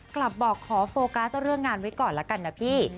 กลับบอกขอโฟกัสเรื่องงานไว้ก่อนละกันนะพี่